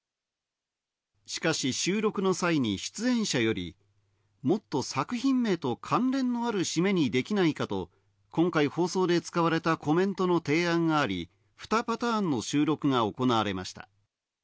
しかし収録の際に出演者よりもっと作品名と関連のある締めにできないかと、今回放送で使われたコメントの提案があり、２パターンの収録が行われました。